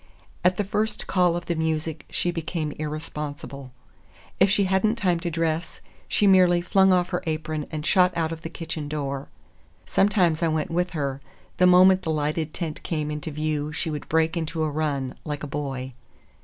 At the first call of the music, she became irresponsible. If she had n't time to dress, she merely flung off her apron and shot out of the kitchen door. Sometimes I went with her; the moment the lighted tent came into view she would break into a run, like a boy.